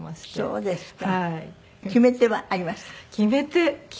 そうですか。